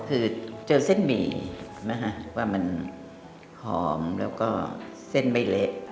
คือเจอเส้นหมี่ว่ามันหอมแล้วก็เส้นใบเหละ